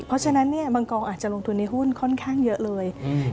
เพราะฉะนั้นเนี่ยบางกองอาจจะลงทุนในหุ้นค่อนข้างเยอะเลยอืม